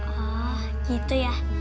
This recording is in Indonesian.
oh gitu ya